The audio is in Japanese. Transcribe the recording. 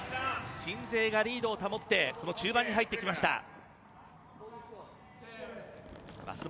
鎮西がリードを保って中盤に入ってきました。